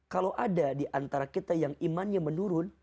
kalau ada diantara kita yang imannya menurun